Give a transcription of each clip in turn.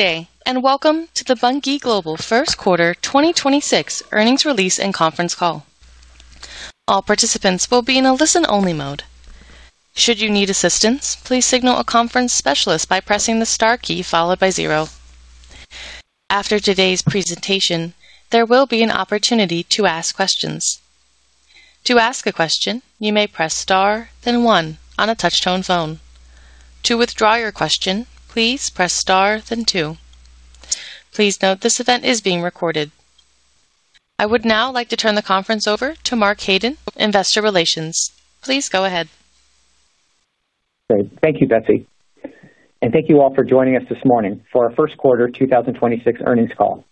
Good day, and welcome to the Bunge Global first quarter 2026 earnings release and conference call. All participants will be in a listen only mode. Should you need assistance please signal a conference specialist by pressing the star key followed by zero. After today's presentation there will be an opportunity to ask questions. To ask a question, you may press star then one on your touch-tone, to withdraw your question, please press star then two. Please note that this call is being recorded. I would now like to turn the conference over to Mark Haden, Investor Relations. Please go ahead. Great. Thank you, Betsy. Thank you all for joining us this morning for our first quarter 2026 earnings call.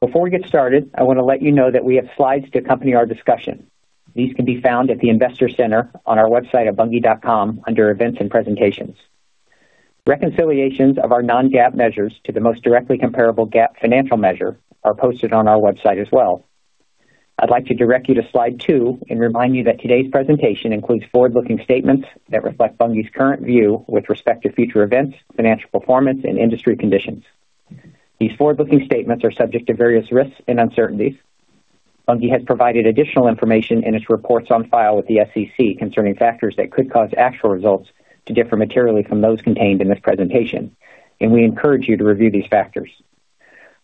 Before we get started, I want to let you know that we have slides to accompany our discussion. These can be found at the Investor Center on our website at bunge.com under Events and Presentations. Reconciliations of our non-GAAP measures to the most directly comparable GAAP financial measure are posted on our website as well. I'd like to direct you to slide two, remind you that today's presentation includes forward-looking statements that reflect Bunge's current view with respect to future events, financial performance and industry conditions. These forward-looking statements are subject to various risks and uncertainties. Bunge has provided additional information in its reports on file with the SEC concerning factors that could cause actual results to differ materially from those contained in this presentation. We encourage you to review these factors.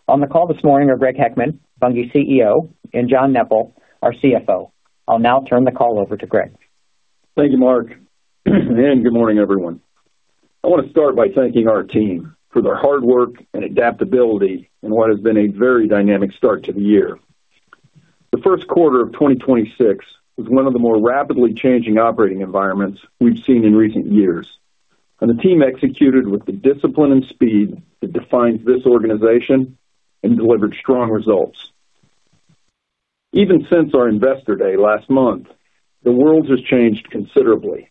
On the call this morning are Greg Heckman, Bunge CEO, and John Neppl, our CFO. I'll now turn the call over to Greg. Thank you, Mark Haden. Good morning, everyone. I want to start by thanking our team for their hard work and adaptability in what has been a very dynamic start to the year. The first quarter of 2026 was one of the more rapidly changing operating environments we've seen in recent years, and the team executed with the discipline and speed that defines this organization and delivered strong results. Even since our Investor Day last month, the world has changed considerably.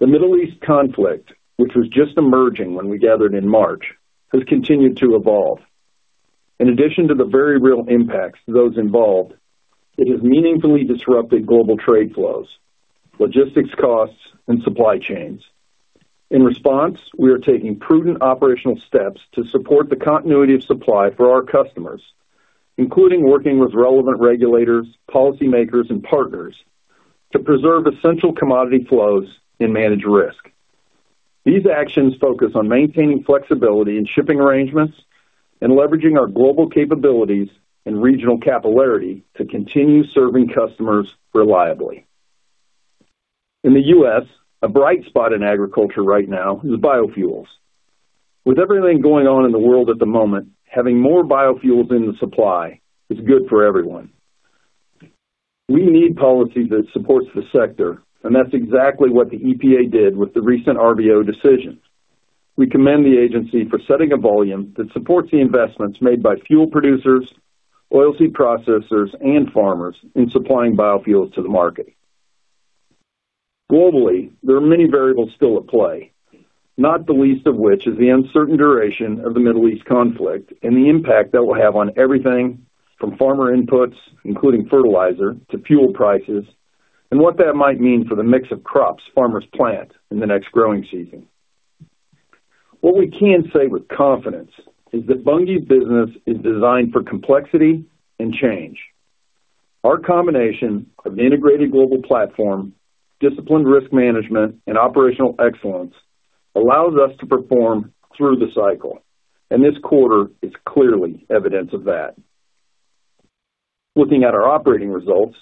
The Middle East conflict, which was just emerging when we gathered in March, has continued to evolve. In addition to the very real impacts to those involved, it has meaningfully disrupted global trade flows, logistics costs, and supply chains. In response, we are taking prudent operational steps to support the continuity of supply for our customers, including working with relevant regulators, policymakers, and partners to preserve essential commodity flows and manage risk. These actions focus on maintaining flexibility in shipping arrangements and leveraging our global capabilities and regional capillarity to continue serving customers reliably. In the U.S., a bright spot in agriculture right now is biofuels. With everything going on in the world at the moment, having more biofuels in the supply is good for everyone. We need policy that supports the sector, and that's exactly what the EPA did with the recent RVO decisions. We commend the agency for setting a volume that supports the investments made by fuel producers, oilseed processors, and farmers in supplying biofuels to the market. Globally, there are many variables still at play, not the least of which is the uncertain duration of the Middle East conflict and the impact that will have on everything from farmer inputs, including fertilizer to fuel prices, and what that might mean for the mix of crops farmers plant in the next growing season. What we can say with confidence is that Bunge's business is designed for complexity and change. Our combination of an integrated global platform, disciplined risk management, and operational excellence allows us to perform through the cycle, and this quarter is clearly evidence of that. Looking at our operating results,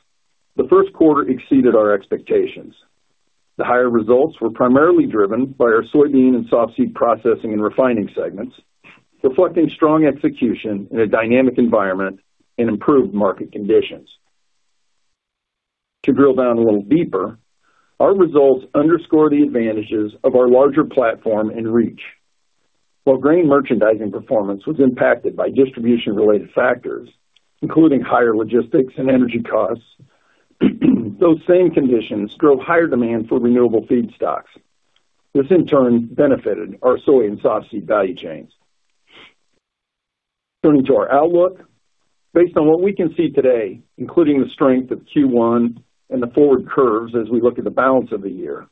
the first quarter exceeded our expectations. The higher results were primarily driven by our soybean and soft seed processing and refining segments, reflecting strong execution in a dynamic environment and improved market conditions. To drill down a little deeper, our results underscore the advantages of our larger platform and reach. While grain merchandising performance was impacted by distribution-related factors, including higher logistics and energy costs, those same conditions drove higher demand for renewable feedstocks. This, in turn, benefited our soy and soft seed value chains. Turning to our outlook. Based on what we can see today, including the strength of Q1 and the forward curves as we look at the balance of the year,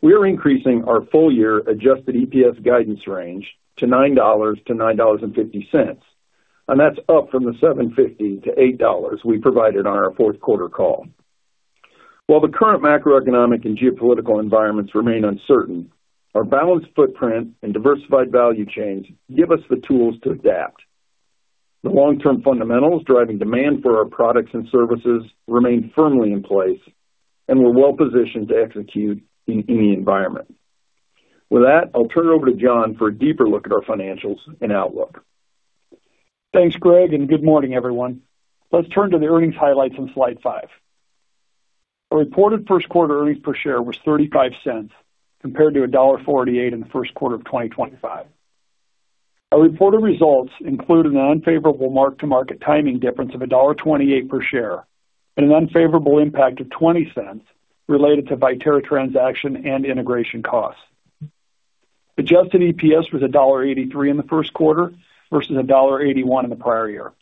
we are increasing our full-year adjusted EPS guidance range to $9.00-$9.50, and that's up from the $7.50-$8.00 we provided on our fourth quarter call. While the current macroeconomic and geopolitical environments remain uncertain, our balanced footprint and diversified value chains give us the tools to adapt. The long-term fundamentals driving demand for our products and services remain firmly in place. We're well positioned to execute in any environment. With that, I'll turn it over to John for a deeper look at our financials and outlook. Thanks, Greg, good morning, everyone. Let's turn to the earnings highlights on slide five. Our reported first quarter earnings per share was $0.35 compared to $1.48 in the first quarter of 2025. Our reported results include an unfavorable mark-to-market timing difference of $1.28 per share and an unfavorable impact of $0.20 related to Viterra transaction and integration costs. Adjusted EPS was $1.83 in the first quarter versus $1.81 in the prior year.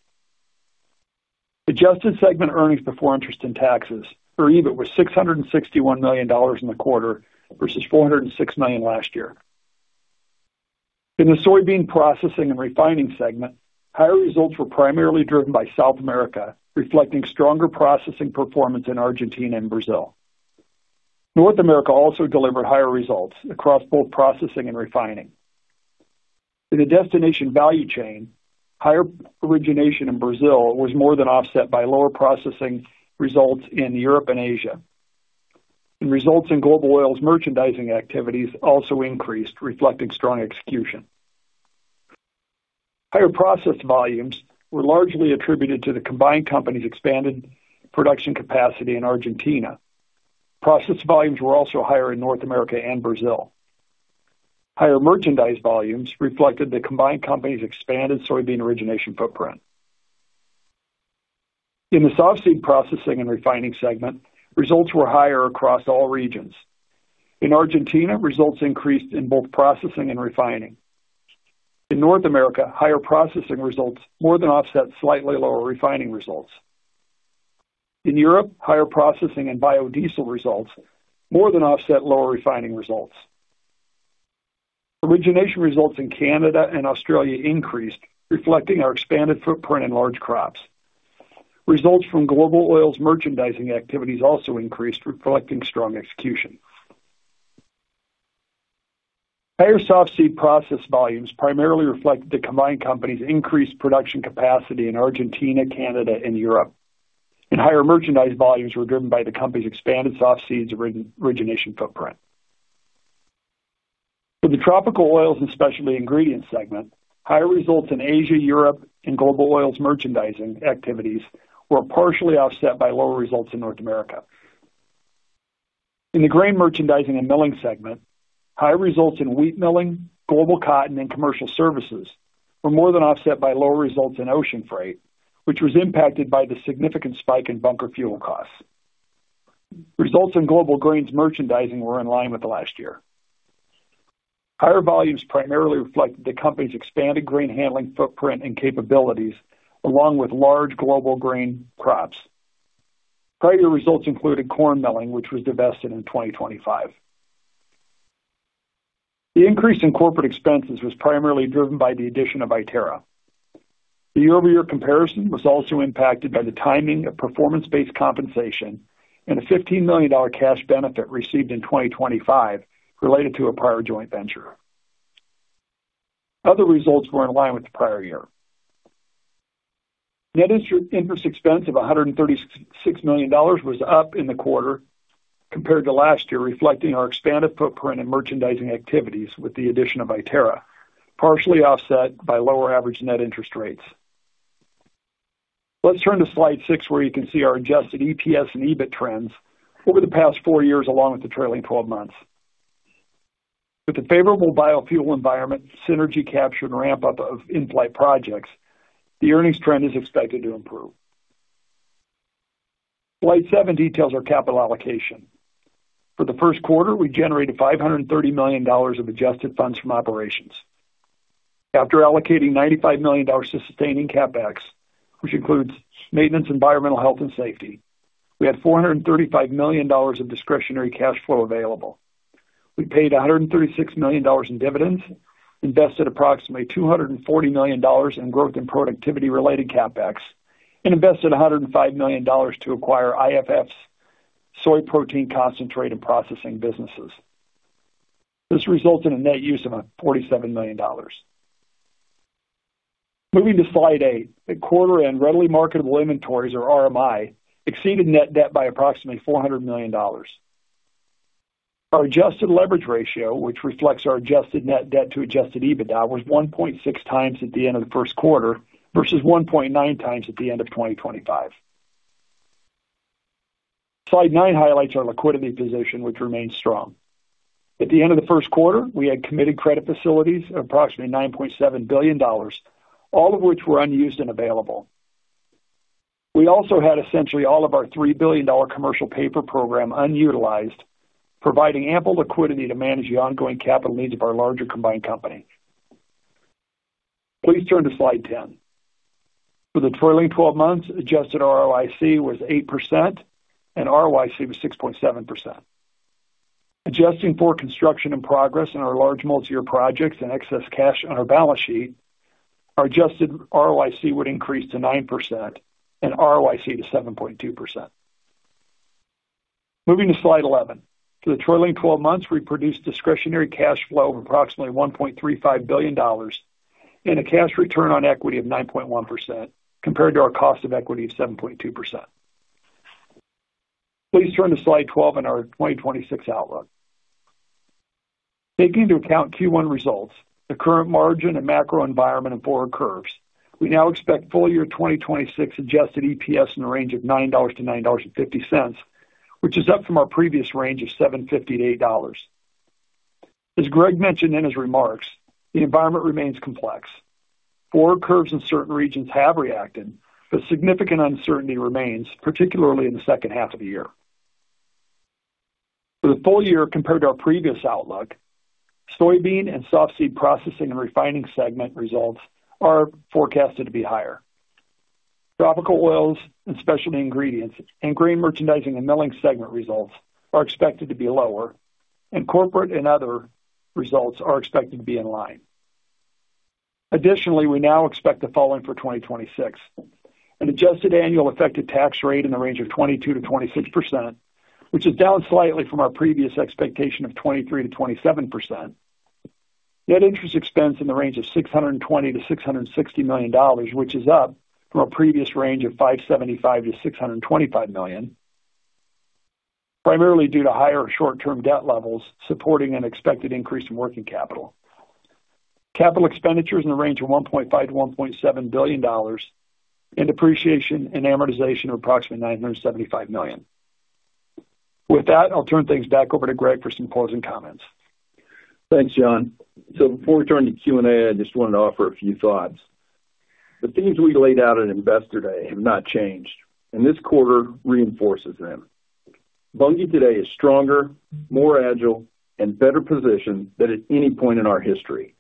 Adjusted segment earnings before interest and taxes or EBIT was $661 million in the quarter versus $406 million last year. In the soybean processing and refining segment, higher results were primarily driven by South America, reflecting stronger processing performance in Argentina and Brazil. North America also delivered higher results across both processing and refining. In the destination value chain, higher origination in Brazil was more than offset by lower processing results in Europe and Asia. Results in Global Oils merchandising activities also increased, reflecting strong execution. Higher processed volumes were largely attributed to the combined company's expanded production capacity in Argentina. Processed volumes were also higher in North America and Brazil. Higher merchandise volumes reflected the combined company's expanded soybean origination footprint. In the softseed processing and refining segment, results were higher across all regions. In Argentina, results increased in both processing and refining. In North America, higher processing results more than offset slightly lower refining results. In Europe, higher processing and biodiesel results more than offset lower refining results. Origination results in Canada and Australia increased, reflecting our expanded footprint in large crops. Results from Global Oils merchandising activities also increased, reflecting strong execution. Higher softseed process volumes primarily reflect the combined company's increased production capacity in Argentina, Canada, and Europe. Higher merchandise volumes were driven by the company's expanded softseeds origination footprint. For the tropical oils and specialty ingredients segment, higher results in Asia, Europe, and Global Oils merchandising activities were partially offset by lower results in North America. In the grain merchandising and milling segment, higher results in wheat milling, global cotton, and commercial services were more than offset by lower results in ocean freight, which was impacted by the significant spike in bunker fuel costs. Results in Global Grains merchandising were in line with last year. Higher volumes primarily reflect the company's expanded grain handling footprint and capabilities, along with large global grain crops. Prior results included corn milling, which was divested in 2025. The increase in corporate expenses was primarily driven by the addition of Viterra. The year-over-year comparison was also impacted by the timing of performance-based compensation and a $15 million cash benefit received in 2025 related to a prior joint venture. Other results were in line with the prior year. Net interest expense of $136 million was up in the quarter compared to last year, reflecting our expanded footprint in merchandising activities with the addition of Viterra, partially offset by lower average net interest rates. Let's turn to slide six, where you can see our adjusted EPS and EBIT trends over the past four years, along with the trailing 12 months. With the favorable biofuel environment, synergy capture, and ramp-up of in-flight projects, the earnings trend is expected to improve. Slide seven details our capital allocation. For the first quarter, we generated $530 million of adjusted funds from operations. After allocating $95 million to sustaining CapEx, which includes maintenance, environmental, health, and safety, we had $435 million of discretionary cash flow available. We paid $136 million in dividends, invested approximately $240 million in growth and productivity-related CapEx, and invested $105 million to acquire IFF's soy protein concentrate and processing businesses. This resulted in a net use of $47 million. Moving to Slide eight. At quarter end, readily marketable inventories, or RMI, exceeded net debt by approximately $400 million. Our adjusted leverage ratio, which reflects our adjusted net debt to adjusted EBITDA, was 1.6x at the end of the first quarter versus 1.9x at the end of 2025. Slide nine highlights our liquidity position, which remains strong. At the end of the first quarter, we had committed credit facilities of approximately $9.7 billion, all of which were unused and available. We also had essentially all of our $3 billion commercial paper program unutilized, providing ample liquidity to manage the ongoing capital needs of our larger combined company. Please turn to slide 10. For the trailing 12 months, adjusted ROIC was 8%, and ROIC was 6.7%. Adjusting for construction in progress in our large multi-year projects and excess cash on our balance sheet, our adjusted ROIC would increase to 9% and ROIC to 7.2%. Moving to slide 11. For the trailing 12 months, we produced discretionary cash flow of approximately $1.35 billion and a cash return on equity of 9.1% compared to our cost of equity of 7.2%. Please turn to slide 12 in our 2026 outlook. Taking into account Q1 results, the current margin and macro environment and forward curves, we now expect full year 2026 adjusted EPS in the range of $9.00-$9.50, which is up from our previous range of $7.50-$8.00. As Greg mentioned in his remarks, the environment remains complex. Forward curves in certain regions have reacted, significant uncertainty remains, particularly in the H2 of the year. For the full year compared to our previous outlook, Soybean and Soft Seed Processing and Refining Segment results are forecasted to be higher. Tropical Oils and Specialty Ingredients and Grain Merchandising and Milling Segment results are expected to be lower, and corporate and other results are expected to be in line. Additionally, we now expect the following for 2026. An adjusted annual effective tax rate in the range of 22%-26%, which is down slightly from our previous expectation of 23%-27%. Net interest expense in the range of $620 million-$660 million, which is up from a previous range of $575 million-$625 million, primarily due to higher short-term debt levels supporting an expected increase in working capital. Capital expenditures in the range of $1.5 billion-$1.7 billion and depreciation and amortization of approximately $975 million. With that, I'll turn things back over to Greg for some closing comments. Thanks, John. Before we turn to Q&A, I just wanted to offer a few thoughts. The themes we laid out at Investor Day have not changed, and this quarter reinforces them. Bunge today is stronger, more agile, and better positioned than at any point in our history.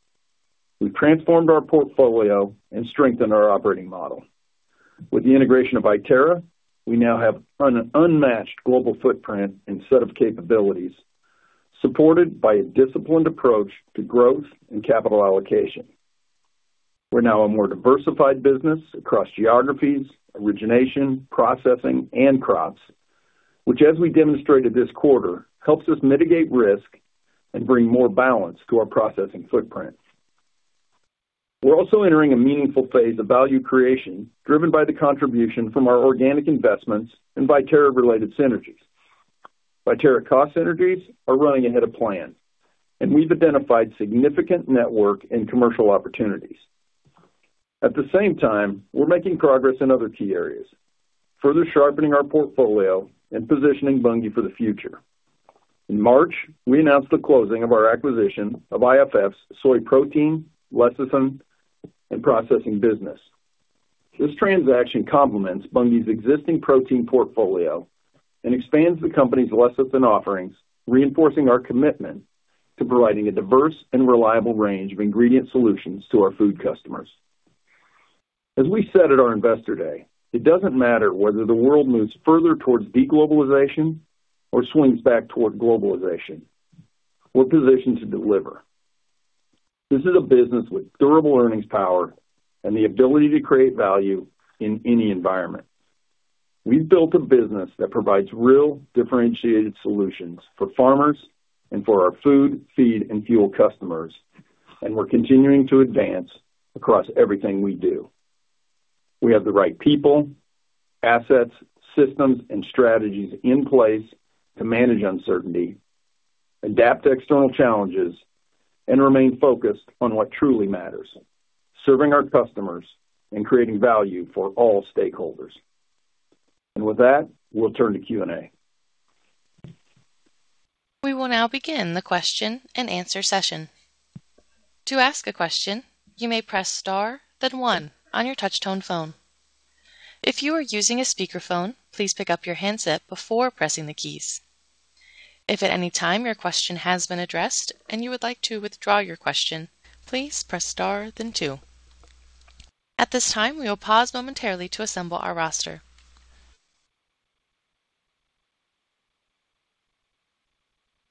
We've transformed our portfolio and strengthened our operating model. With the integration of Viterra, we now have an unmatched global footprint and set of capabilities, supported by a disciplined approach to growth and capital allocation. We're now a more diversified business across geographies, origination, processing, and crops, which, as we demonstrated this quarter, helps us mitigate risk and bring more balance to our processing footprint. We're also entering a meaningful phase of value creation driven by the contribution from our organic investments and Viterra-related synergies. Viterra cost synergies are running ahead of plan, and we've identified significant network and commercial opportunities. At the same time, we're making progress in other key areas, further sharpening our portfolio and positioning Bunge for the future. In March, we announced the closing of our acquisition of IFF's soy protein, lecithin, and processing business. This transaction complements Bunge's existing protein portfolio and expands the company's lecithin offerings, reinforcing our commitment to providing a diverse and reliable range of ingredient solutions to our food customers. As we said at our Investor Day, it doesn't matter whether the world moves further towards de-globalization or swings back toward globalization. We're positioned to deliver. This is a business with durable earnings power and the ability to create value in any environment. We've built a business that provides real differentiated solutions for farmers and for our food, feed, and fuel customers, and we're continuing to advance across everything we do. We have the right people, assets, systems, and strategies in place to manage uncertainty, adapt to external challenges, remain focused on what truly matters: serving our customers and creating value for all stakeholders. With that, we'll turn to Q&A. We will now begin the question and answer session. To ask a question, you may press star then one on your touch-tone phone. If you are using a speaker phone, please pick up the handset before pressing the keys. If at any time your question has been addressed and you would like to withdraw your question, please press star then two. At this time we will pause momentarily to assemble the roster.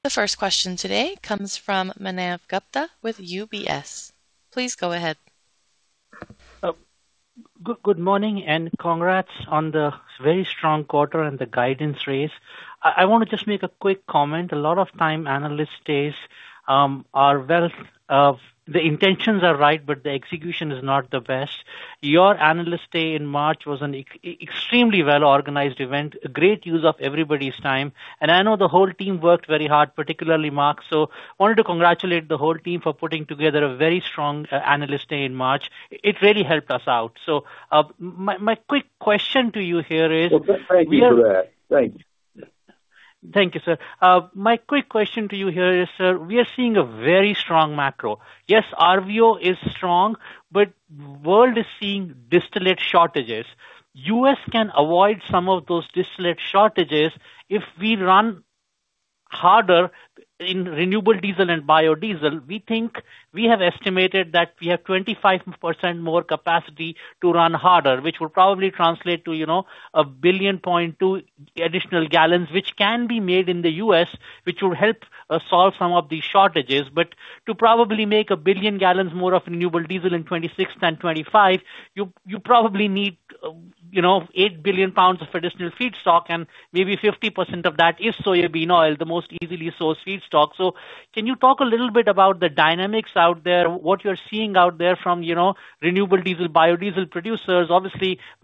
The first question today comes from Manav Gupta with UBS. Please go ahead. Good morning, and congrats on the very strong quarter and the guidance raise. I wanna just make a quick comment. A lot of time analyst days are well, the intentions are right, but the execution is not the best. Your analyst day in March was an extremely well-organized event, a great use of everybody's time, and I know the whole team worked very hard, particularly Mark Haden. Wanted to congratulate the whole team for putting together a very strong analyst day in March. It really helped us out. My quick question to you here is. Well, thank you for that. Thank you. Thank you, sir. My quick question to you here is, sir, we are seeing a very strong macro. RVO is strong, world is seeing distillate shortages. U.S. can avoid some of those distillate shortages if we run harder in renewable diesel and biodiesel. We think we have estimated that we have 25% more capacity to run harder, which will probably translate to, you know, 1.2 billion additional gallons, which can be made in the U.S., which will help solve some of these shortages. To probably make a billion gallons more of renewable diesel in 2026 than 2025, you probably need, you know, 8 billion pounds of traditional feedstock, and maybe 50% of that is soybean oil, the most easily sourced feedstock. Can you talk a little bit about the dynamics out there? What you're seeing out there from, you know, renewable diesel, biodiesel producers?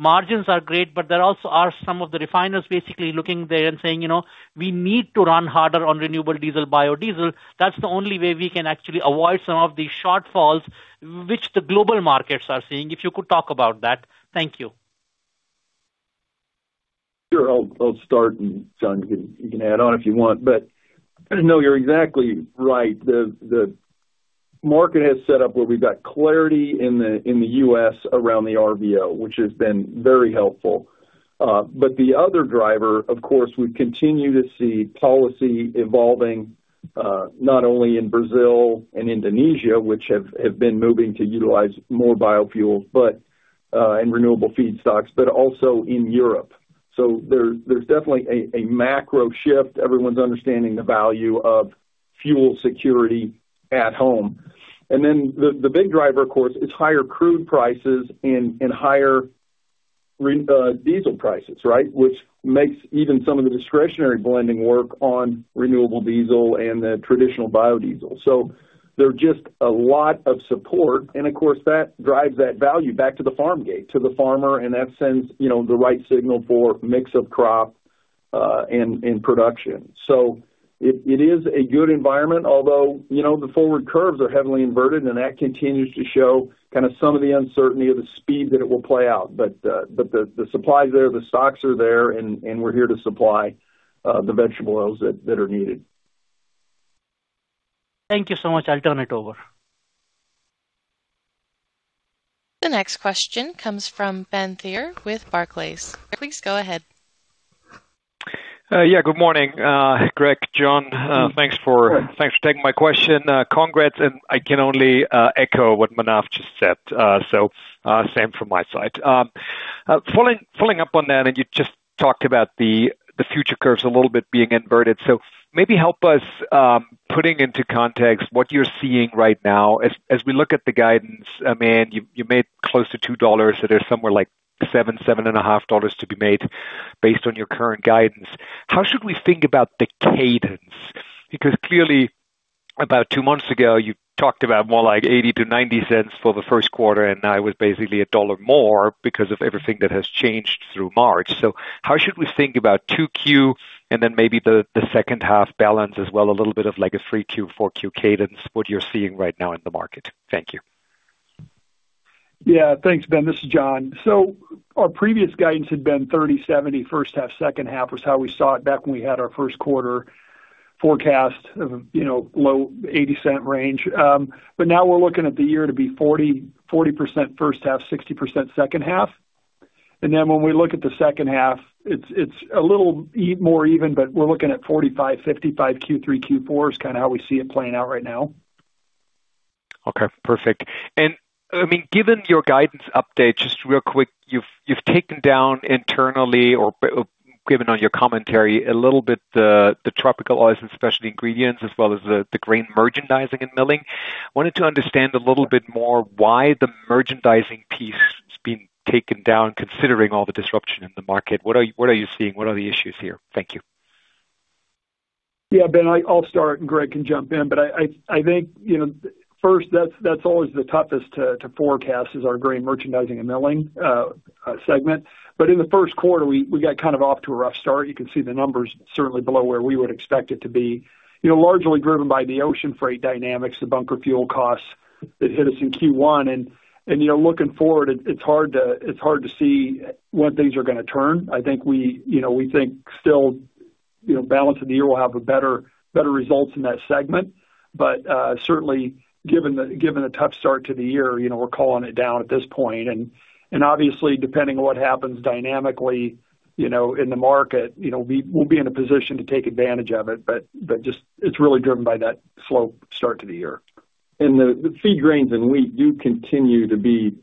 Margins are great. There also are some of the refiners basically looking there and saying, "You know, we need to run harder on renewable diesel, biodiesel. That's the only way we can actually avoid some of these shortfalls," which the global markets are seeing. If you could talk about that. Thank you. Sure. I'll start and John, you can add on if you want. No, you're exactly right. Market has set up where we've got clarity in the, in the U.S. around the RVO, which has been very helpful. The other driver, of course, we continue to see policy evolving, not only in Brazil and Indonesia, which have been moving to utilize more biofuels, and renewable feedstocks, but also in Europe. There's definitely a macro shift. Everyone's understanding the value of fuel security at home. The big driver, of course, is higher crude prices and higher diesel prices, right, which makes even some of the discretionary blending work on renewable diesel and the traditional biodiesel. There are just a lot of support, and of course, that drives that value back to the farm gate, to the farmer, and that sends, you know, the right signal for mix of crop and production. It is a good environment. Although, you know, the forward curves are heavily inverted, and that continues to show kind of some of the uncertainty of the speed that it will play out. The supply is there, the stocks are there and we're here to supply the vegetable oils that are needed. Thank you so much. I'll turn it over. The next question comes from Ben Theurer with Barclays. Please go ahead. Yeah, good morning, Greg, John. Sure. Thanks for taking my question. Congrats, and I can only echo what Manav Gupta just said. Same from my side. Following up on that, you just talked about the future curves a little bit being inverted. Maybe help us putting into context what you're seeing right now. As we look at the guidance, I mean, you made close to $2. There's somewhere like $7, $7.50 to be made based on your current guidance. How should we think about the cadence? Clearly, about two months ago, you talked about more like $0.80-$0.90 for the first quarter, and now it was basically $1 more because of everything that has changed through March. How should we think about 2Q and then maybe the H2 balance as well, a little bit of like a 3Q, 4Q cadence, what you're seeing right now in the market? Thank you. Yeah. Thanks, Ben. This is John. Our previous guidance had been 30%-70% H1, H2, was how we saw it back when we had our first quarter forecast of, you know, low $0.80 range. Now we're looking at the year to be 40% H1, 60% H2. When we look at the H2, it's a little more even, but we're looking at 45%-55% Q3, Q4 is kinda how we see it playing out right now. Okay. Perfect. I mean, given your guidance update, just real quick, you've taken down internally or given on your commentary a little bit the tropical oils and specialty ingredients as well as the grain merchandising and milling. I wanted to understand a little bit more why the merchandising piece has been taken down, considering all the disruption in the market. What are you seeing? What are the issues here? Thank you. Yeah, Ben, I'll start, and Greg can jump in. I think, you know, first, that's always the toughest to forecast is our grain merchandising and milling segment. In the first quarter, we got kind of off to a rough start. You can see the numbers certainly below where we would expect it to be. You know, largely driven by the ocean freight dynamics, the bunker fuel costs that hit us in Q1. You know, looking forward, it's hard to see when things are gonna turn. I think we think still, you know, balance of the year will have better results in that segment. Certainly, given a tough start to the year, you know, we're calling it down at this point. obviously, depending on what happens dynamically, you know, in the market, you know, we'll be in a position to take advantage of it. just it's really driven by that slow start to the year. The feed grains and wheat do continue to be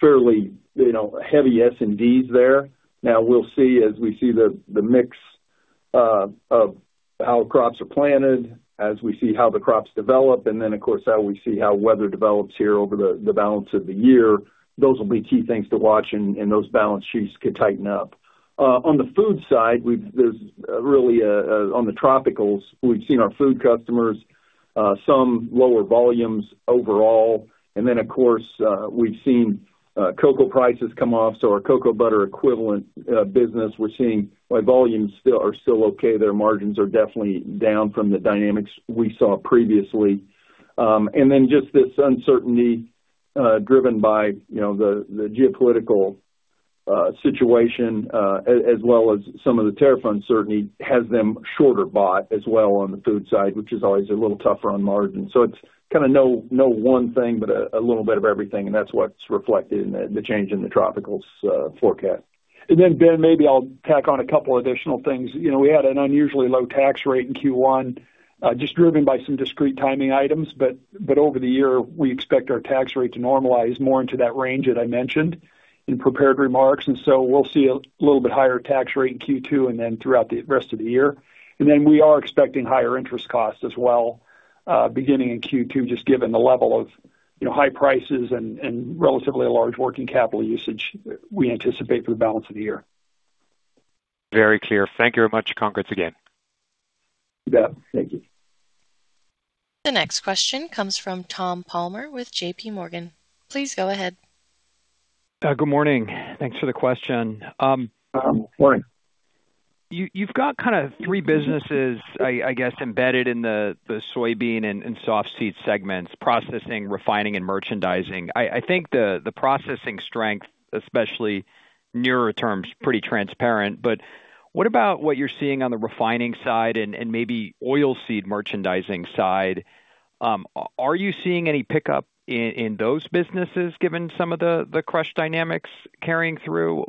fairly, you know, heavy S&Ds there. We'll see as we see the mix of how crops are planted, as we see how the crops develop, and then, of course, how we see how weather develops here over the balance of the year. Those will be key things to watch and those balance sheets could tighten up. On the food side, on the tropicals, we've seen our food customers, some lower volumes overall. Of course, we've seen cocoa prices come off. Our cocoa butter equivalent business, we're seeing while volumes are still okay, their margins are definitely down from the dynamics we saw previously. Then just this uncertainty, driven by, you know, the geopolitical situation, as well as some of the tariff uncertainty has them shorter bought as well on the food side, which is always a little tougher on margin. It's kinda no one thing but a little bit of everything, and that's what's reflected in the change in the tropicals forecast. Ben, maybe I'll tack on a couple additional things. You know, we had an unusually low tax rate in Q1, just driven by some discrete timing items. Over the year, we expect our tax rate to normalize more into that range that I mentioned in prepared remarks. We'll see a little bit higher tax rate in Q2 and then throughout the rest of the year. We are expecting higher interest costs as well, beginning in Q2, just given the level of, you know, high prices and relatively large working capital usage we anticipate through the balance of the year. Very clear. Thank you very much. Congrats again. You bet. Thank you. The next question comes from Tom Palmer with JPMorgan. Please go ahead. Good morning. Thanks for the question. Morning. You've got kinda three businesses, I guess, embedded in the soybean and soft seed segments: processing, refining, and merchandising. I think the processing strength, especially nearer terms, pretty transparent. What about what you're seeing on the refining side and maybe oil seed merchandising side? Are you seeing any pickup in those businesses given some of the crush dynamics carrying through?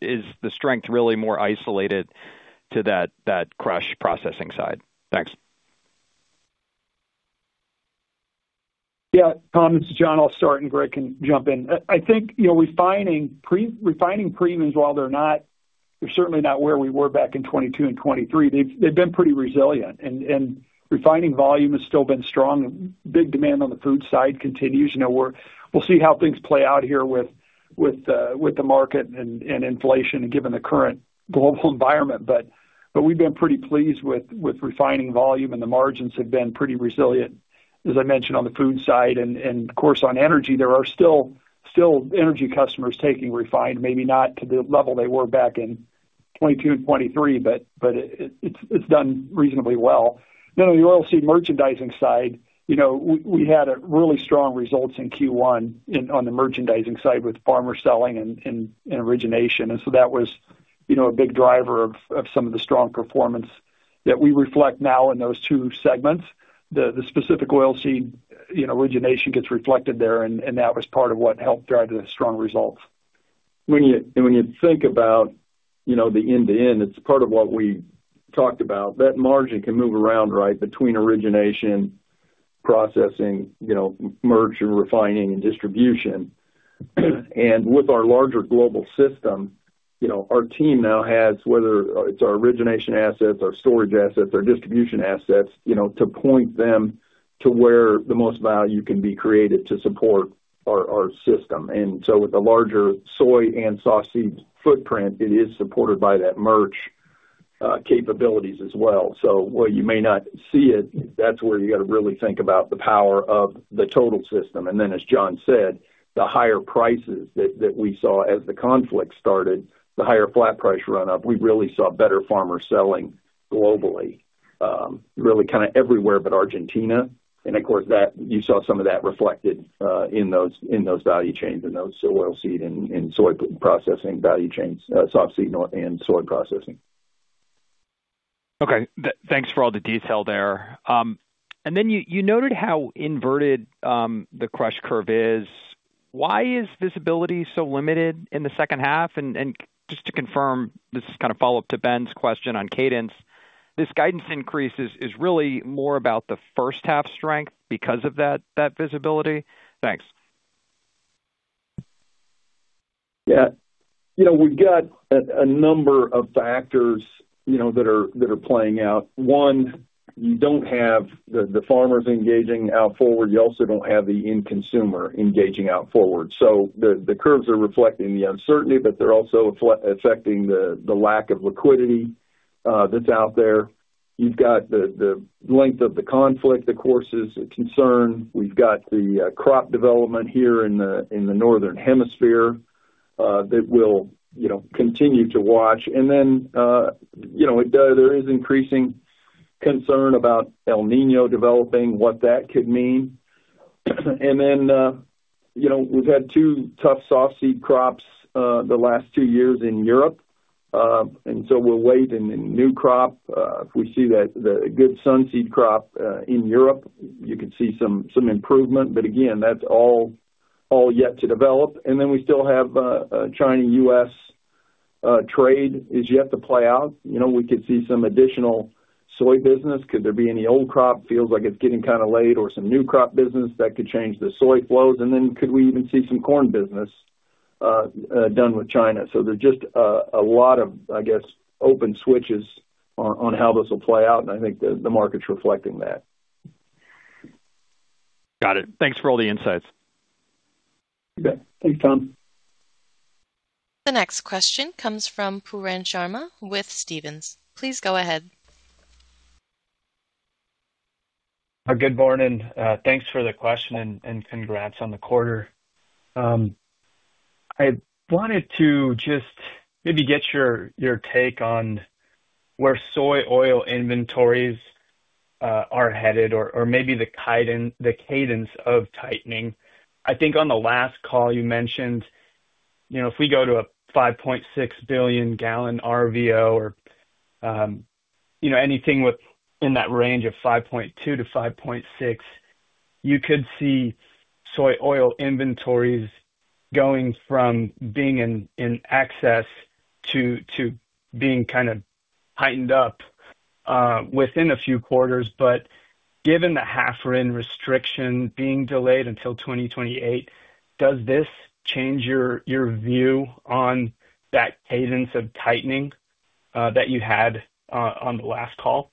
Is the strength really more isolated to that crush processing side? Thanks. Tom, this is John. I'll start and Greg can jump in. I think, you know, refining premiums, while they're certainly not where we were back in 2022 and 2023, they've been pretty resilient and refining volume has still been strong. Big demand on the food side continues. You know, we'll see how things play out here with the market and inflation given the current global environment. We've been pretty pleased with refining volume, and the margins have been pretty resilient. As I mentioned on the food side and of course, on energy, there are still energy customers taking refined, maybe not to the level they were back in 2022 and 2023, but it's done reasonably well. On the oil seed merchandising side, you know, we had a really strong results in Q1 on the merchandising side with farmer selling and origination. That was, you know, a big driver of some of the strong performance that we reflect now in those two segments. The specific oil seed, you know, origination gets reflected there, and that was part of what helped drive the strong results. When you think about, you know, the end-to-end, it's part of what we talked about. That margin can move around, right, between origination, processing, you know, merch and refining and distribution. With our larger global system, you know, our team now has, whether it's our origination assets, our storage assets, our distribution assets, you know, to point them to where the most value can be created to support our system. With the larger soy and softseed footprint, it is supported by that merch capabilities as well. While you may not see it, that's where you got to really think about the power of the total system. As John said, the higher prices that we saw as the conflict started, the higher flat price run up, we really saw better farmer selling globally, really kind of everywhere but Argentina. Of course, that you saw some of that reflected in those value chains, in those oil seed and soy processing value chains, soft seed and soy processing. Okay. Thanks for all the detail there. You noted how inverted the crush curve is. Why is visibility so limited in the H2? Just to confirm, this is kind of follow-up to Ben's question on cadence. This guidance increase is really more about the H1 strength because of that visibility? Thanks. Yeah. You know, we've got a number of factors, you know, that are playing out. One, you don't have the farmers engaging out forward. You also don't have the end consumer engaging out forward. The curves are reflecting the uncertainty, but they're also affecting the lack of liquidity that's out there. You've got the length of the conflict, of course, is a concern. We've got the crop development here in the Northern Hemisphere that we'll, you know, continue to watch. There is increasing concern about El Niño developing, what that could mean. We've had two tough soft seed crops the last two years in Europe. We'll wait. In new crop, if we see that, the good sun seed crop in Europe, you could see some improvement. Again, that's all yet to develop. Then we still have China-US trade is yet to play out. You know, we could see some additional soy business. Could there be any old crop? Feels like it's getting kind of late. Some new crop business that could change the soy flows. Then could we even see some corn business done with China? There's just a lot of, I guess, open switches on how this will play out, and I think the market's reflecting that. Got it. Thanks for all the insights. Okay. Thanks, Tom. The next question comes from Pooran Sharma with Stephens. Please go ahead. Good morning, thanks for the question and congrats on the quarter. I wanted to just maybe get your take on where soybean oil inventories are headed or maybe the cadence of tightening. I think on the last call you mentioned, you know, if we go to a 5.6 billion gallon RVO or, you know, anything within that range of 5.2 to 5.6, you could see soybean oil inventories going from being in excess to being kind of tightened up within a few quarters. Given the 1/2 RIN restriction being delayed until 2028, does this change your view on that cadence of tightening that you had on the last call?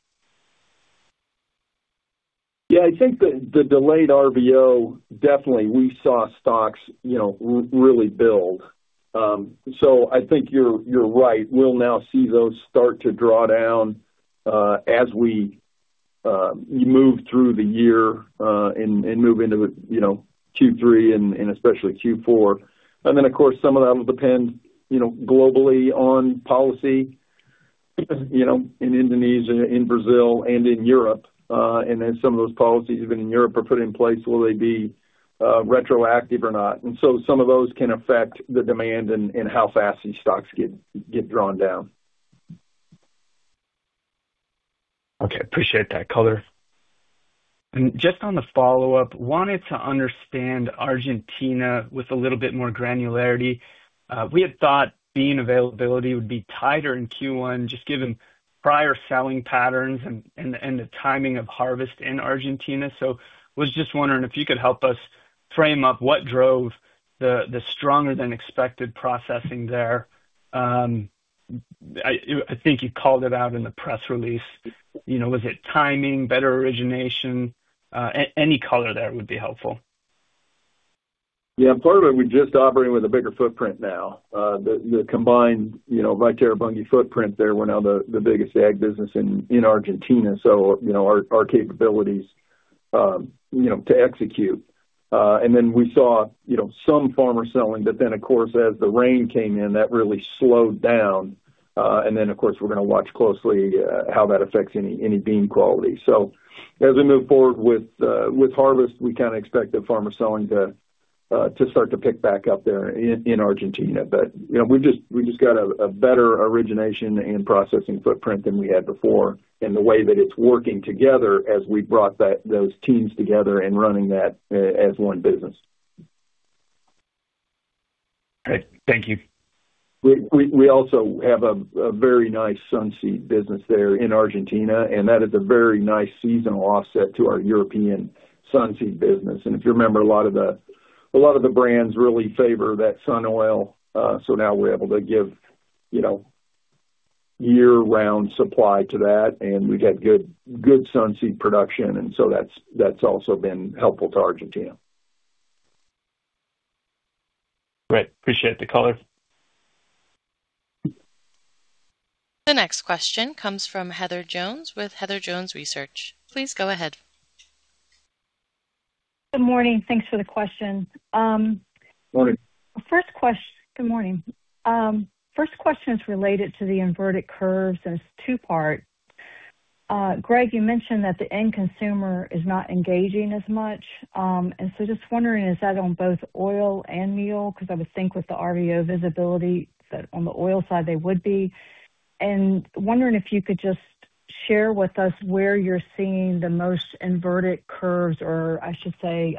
Yeah. I think the delayed RVO, definitely we saw stocks, you know, really build. I think you're right. We'll now see those start to draw down as we move through the year and move into, you know, Q3 and especially Q4. Of course, some of that will depend, you know, globally on policy, you know, in Indonesia, in Brazil, and in Europe. Some of those policies, even in Europe, are put in place, will they be retroactive or not? Some of those can affect the demand and how fast these stocks get drawn down. Okay. Appreciate that color. Just on the follow-up, wanted to understand Argentina with a little bit more granularity. We had thought bean availability would be tighter in Q1 just given prior selling patterns and the timing of harvest in Argentina. Was just wondering if you could help us frame up what drove the stronger than expected processing there. I think you called it out in the press release. You know, was it timing, better origination? Any color there would be helpful. Yeah. Part of it, we're just operating with a bigger footprint now. The combined, you know, Viterra Bunge footprint there, we're now the biggest ag business in Argentina, so, you know, our capabilities, you know, to execute. We saw, you know, some farmers selling, but then, of course, as the rain came in, that really slowed down. Of course, we're gonna watch closely how that affects any bean quality. As we move forward with harvest, we kind of expect the farmer selling to start to pick back up there in Argentina. You know, we've just got a better origination and processing footprint than we had before, and the way that it's working together as we brought those teams together and running that as one business. Okay. Thank you. We also have a very nice sun seed business there in Argentina, and that is a very nice seasonal offset to our European sun seed business. If you remember, a lot of the brands really favor that sunflower oil, so now we're able to give, you know, year-round supply to that. We've had good sun seed production, so that's also been helpful to Argentina. Great. Appreciate the color. The next question comes from Heather Jones with Heather Jones Research. Please go ahead. Good morning. Thanks for the question. Morning. Good morning. First question is related to the inverted curves. There's two parts. Greg, you mentioned that the end consumer is not engaging as much. Just wondering, is that on both oil and meal? 'Cause I would think with the RVO visibility that on the oil side they would be. Wondering if you could just share with us where you're seeing the most inverted curves, or I should say,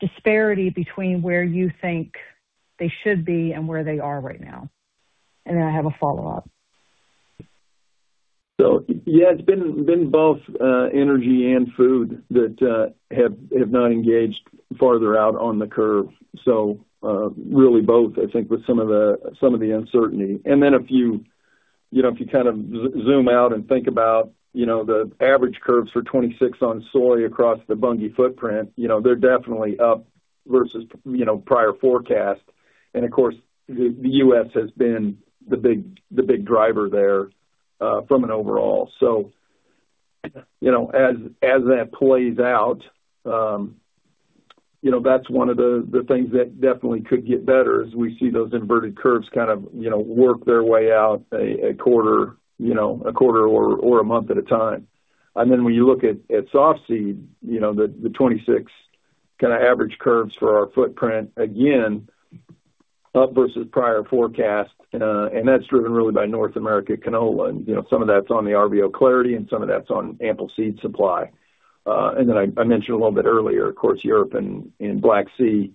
disparity between where you think they should be and where they are right now. I have a follow-up. Yeah, it's been both energy and food that have not engaged farther out on the curve. Really both, I think, with some of the uncertainty. If you know, if you kind of zoom out and think about, you know, the average curves for 26 on soy across the Bunge footprint, you know, they're definitely up versus, you know, prior forecast. Of course, the U.S. has been the big driver there from an overall. You know, as that plays out, you know, that's one of the things that definitely could get better as we see those inverted curves kind of, you know, work their way out a quarter, you know, a quarter or a month at a time. When you look at soft seed, you know, the 26 kinda average curves for our footprint, again, up versus prior forecast. That's driven really by North America canola. You know, some of that's on the RVO clarity, and some of that's on ample seed supply. Then I mentioned a little bit earlier, of course, Europe and Black Sea,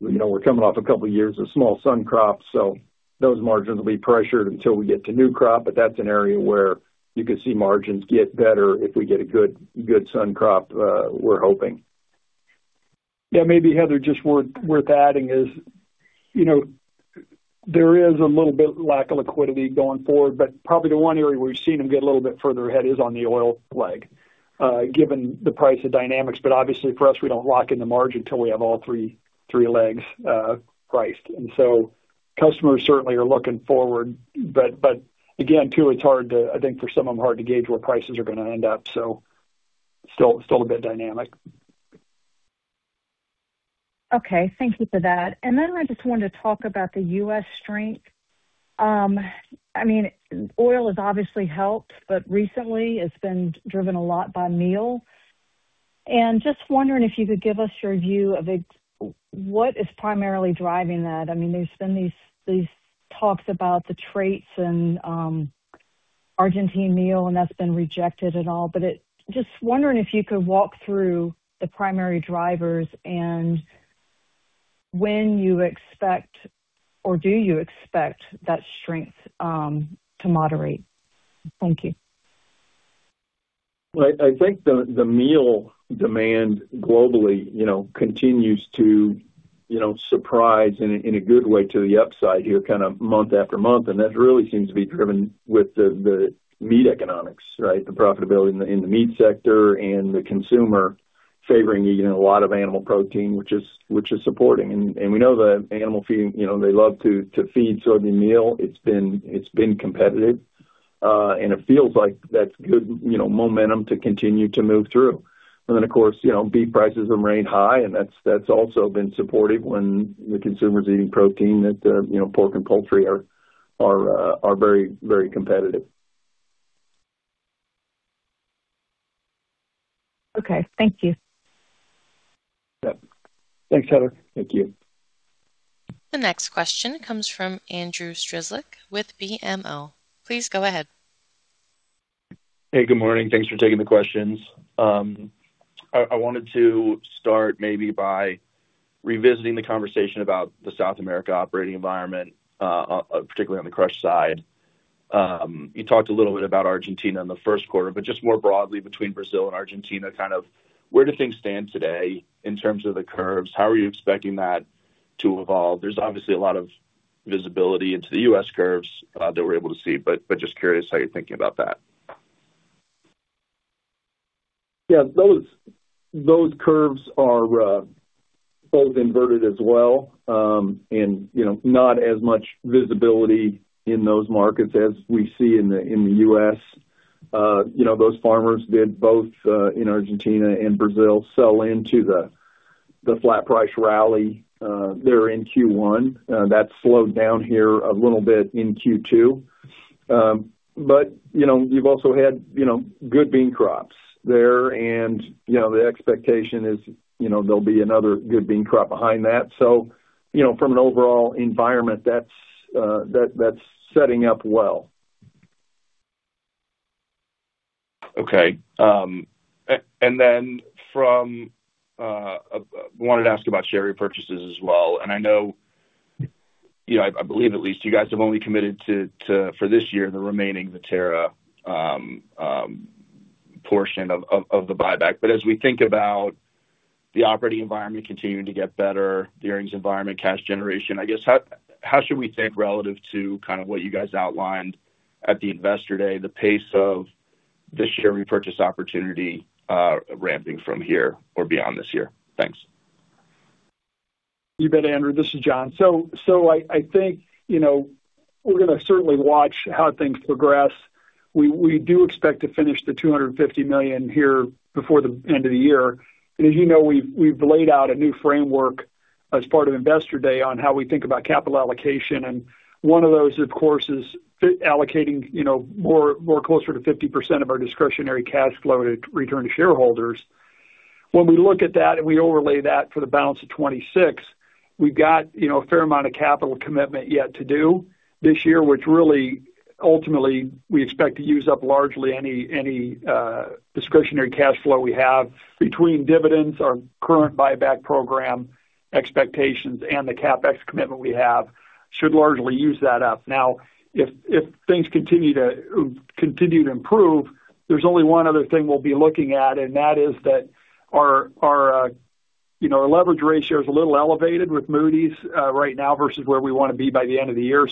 you know, we're coming off two years of small sun crops, so those margins will be pressured until we get to new crop. That's an area where you could see margins get better if we get a good sun crop, we're hoping. Yeah. Maybe, Heather, just worth adding is, you know, there is a little bit lack of liquidity going forward. Probably the one area we've seen them get a little bit further ahead is on the oil leg, given the price of dynamics. Obviously, for us, we don't lock in the margin till we have all three legs priced. Customers certainly are looking forward. Again, too, it's hard, I think for some of them, hard to gauge where prices are gonna end up, still a bit dynamic. Okay. Thank you for that. I just wanted to talk about the U.S. strength. I mean, oil has obviously helped, but recently it's been driven a lot by meal. Just wondering if you could give us your view of what is primarily driving that. I mean, there's been these talks about the traits and Argentine meal, and that's been rejected and all. Just wondering if you could walk through the primary drivers and when you expect or do you expect that strength to moderate. Thank you. I think the meal demand globally, you know, continues to, you know, surprise in a good way to the upside here kinda month after month. That really seems to be driven with the meat economics, right? The profitability in the meat sector and the consumer favoring eating a lot of animal protein, which is supporting. We know that animal feeding, you know, they love to feed soybean meal. It's been competitive. It feels like that's good, you know, momentum to continue to move through. Then, of course, you know, beef prices remain high, and that's also been supportive when the consumer's eating protein that, you know, pork and poultry are very, very competitive. Okay. Thank you. Yep. Thanks, Heather. Thank you. The next question comes from Andrew Strelzik with BMO. Please go ahead. Hey, good morning. Thanks for taking the questions. I wanted to start maybe by revisiting the conversation about the South America operating environment, particularly on the crush side. You talked a little bit about Argentina in the first quarter, but just more broadly between Brazil and Argentina, kind of where do things stand today in terms of the curves? How are you expecting that to evolve? There's obviously a lot of visibility into the U.S. curves that we're able to see, but just curious how you're thinking about that. Yeah. Those, those curves are both inverted as well. You know, not as much visibility in those markets as we see in the U.S. You know, those farmers did both in Argentina and Brazil sell into the flat price rally there in Q1. That slowed down here a little bit in Q2. You know, you've also had, you know, good bean crops there and, you know, the expectation is, you know, there'll be another good bean crop behind that. You know, from an overall environment, that's setting up well. Okay. Then from, I wanted to ask about share repurchases as well. I know. You know, I believe at least you guys have only committed to for this year, the remaining Viterra portion of the buyback. As we think about the operating environment continuing to get better, the earnings environment, cash generation, I guess how should we think relative to kind of what you guys outlined at the Investor Day, the pace of the share repurchase opportunity ramping from here or beyond this year? Thanks. You bet, Andrew. This is John. I think, you know, we're gonna certainly watch how things progress. We do expect to finish the $250 million here before the end of the year. As you know, we've laid out a new framework as part of Investor Day on how we think about capital allocation. One of those, of course, is fit allocating, you know, more closer to 50% of our discretionary cash flow to return to shareholders. When we look at that and we overlay that for the balance of 2026, we've got a fair amount of capital commitment yet to do this year, which really ultimately we expect to use up largely any discretionary cash flow we have between dividends, our current buyback program expectations, and the CapEx commitment we have should largely use that up. If things continue to improve, there's only one other thing we'll be looking at, and that is that our leverage ratio is a little elevated with Moody's right now versus where we want to be by the end of the year.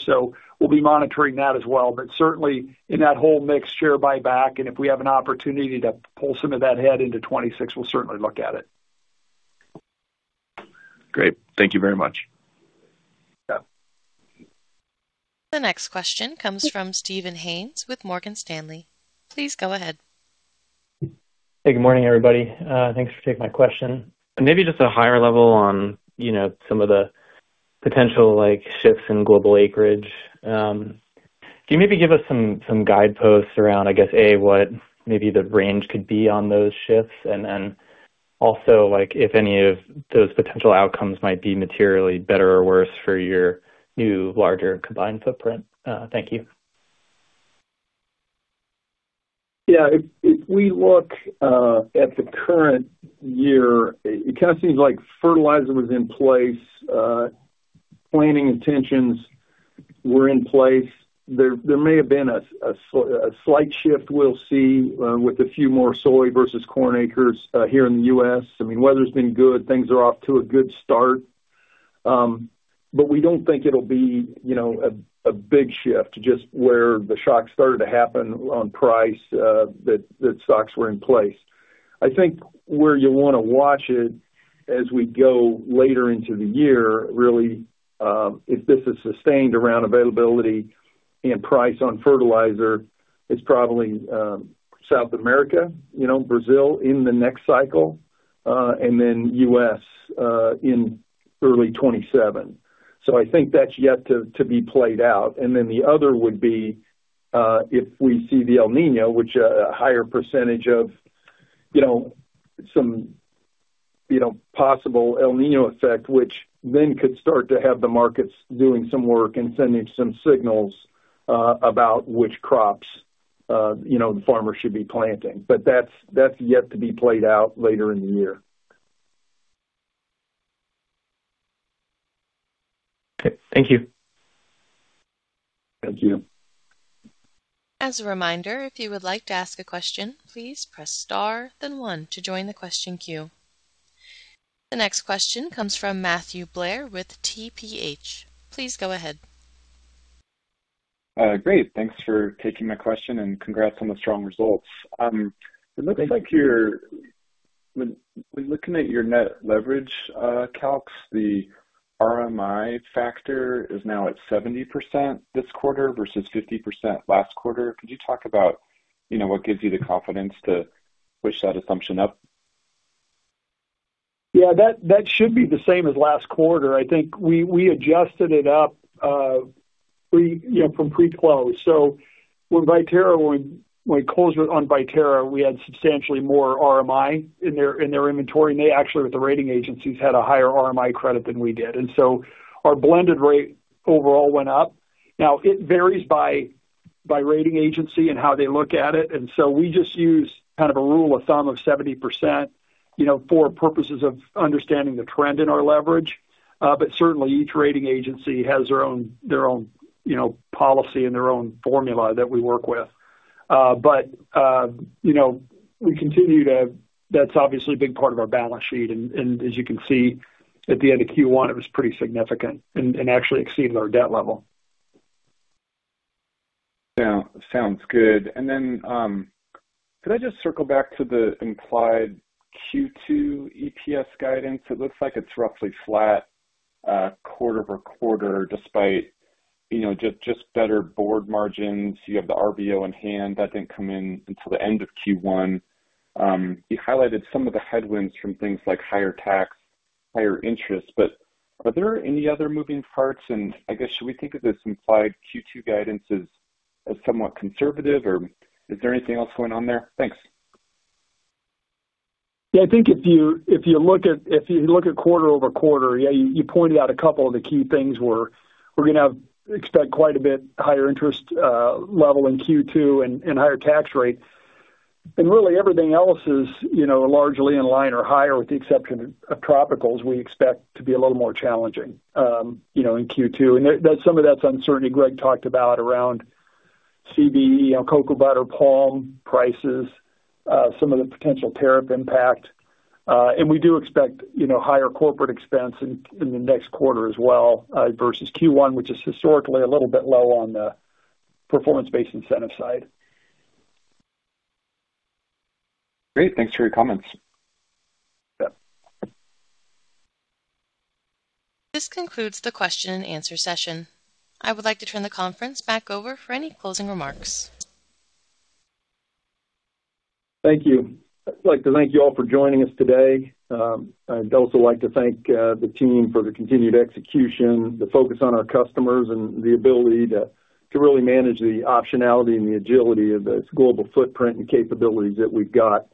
We'll be monitoring that as well. Certainly in that whole mix, share buyback, and if we have an opportunity to pull some of that ahead into 2026, we'll certainly look at it. Great. Thank you very much. Yeah. The next question comes from Steven Haynes with Morgan Stanley. Please go ahead. Hey, good morning, everybody. Thanks for taking my question. Maybe just a higher level on, you know, some of the potential, like, shifts in global acreage. Can you maybe give us some guideposts around, I guess, A, what maybe the range could be on those shifts? Also, like, if any of those potential outcomes might be materially better or worse for your new, larger combined footprint? Thank you. Yeah. If, if we look at the current year, it kind of seems like fertilizer was in place, planting intentions were in place. There, there may have been a slight shift we'll see with a few more soy versus corn acres here in the U.S. I mean, weather's been good. Things are off to a good start. We don't think it'll be, you know, a big shift, just where the shocks started to happen on price, that stocks were in place. I think where you wanna watch it as we go later into the year, really, if this is sustained around availability and price on fertilizer, it's probably South America, you know, Brazil in the next cycle, U.S. in early 2027. I think that's yet to be played out. The other would be, if we see the El Niño, which a higher percentage of, you know, some, you know, possible El Niño effect, which then could start to have the markets doing some work and sending some signals about which crops, you know, the farmers should be planting. That's yet to be played out later in the year. Okay. Thank you. Thank you. As a reminder, if you would like to ask a question, please press star then one to join the question queue. The next question comes from Matthew Blair with TPH. Please go ahead. Great. Thanks for taking my question, and congrats on the strong results. Thank you. When looking at your net leverage calcs, the RMI factor is now at 70% this quarter versus 50% last quarter. Could you talk about, you know, what gives you the confidence to push that assumption up? Yeah, that should be the same as last quarter. I think we adjusted it up pre-close. When it closed on Viterra, we had substantially more RMI in their, in their inventory, and they actually, with the rating agencies, had a higher RMI credit than we did. Our blended rate overall went up. Now it varies by rating agency and how they look at it. We just use kind of a rule of thumb of 70%, you know, for purposes of understanding the trend in our leverage. Certainly each rating agency has their own policy and their own formula that we work with. You know, that's obviously a big part of our balance sheet. As you can see, at the end of Q1, it was pretty significant and actually exceeded our debt level. Yeah. Sounds good. Could I just circle back to the implied Q2 EPS guidance? It looks like it's roughly flat, quarter-over-quarter, despite, you know, just better board margins. You have the RVO on hand. That didn't come in until the end of Q1. You highlighted some of the headwinds from things like higher tax, higher interest, are there any other moving parts? I guess, should we think of this implied Q2 guidance as somewhat conservative, or is there anything else going on there? Thanks. I think if you look at quarter-over-quarter, you pointed out a couple of the key things where we're going to expect quite a bit higher interest level in Q2 and higher tax rate. Really everything else is, you know, largely in line or higher with the exception of tropicals we expect to be a little more challenging, you know, in Q2. That's some of that uncertainty Greg talked about around CBE, you know, cocoa butter, palm prices, some of the potential tariff impact. We do expect, you know, higher corporate expense in the next quarter as well versus Q1, which is historically a little bit low on the performance-based incentive side. Great. Thanks for your comments. Yeah. This concludes the question and answer session. I would like to turn the conference back over for any closing remarks. Thank you. I'd like to thank you all for joining us today. I'd also like to thank the team for the continued execution, the focus on our customers and the ability to really manage the optionality and the agility of this global footprint and capabilities that we've got.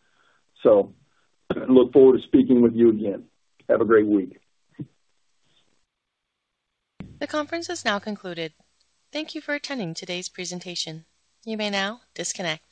Look forward to speaking with you again. Have a great week. The conference has now concluded. Thank you for attending today's presentation. You may now disconnect.